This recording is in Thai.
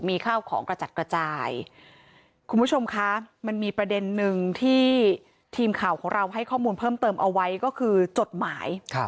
มีข้าวของกระจัดกระจายคุณผู้ชมคะมันมีประเด็นนึงที่ทีมข่าวของเราให้ข้อมูลเพิ่มเติมเอาไว้ก็คือจดหมาย